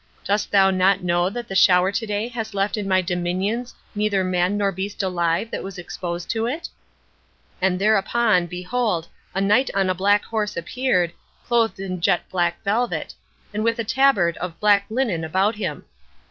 Dost thou not know that the shower to day has left in my dominions neither man nor beast alive that was exposed to it?' And thereupon, behold, a knight on a black horse appeared, clothed in jet black velvet, and with a tabard of black linen about him.